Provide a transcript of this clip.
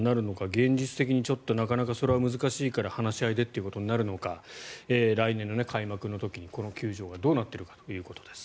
現実的になかなかそれは難しいから話し合いということになるのか来年の開幕の時にこの球場がどうなっているかということです。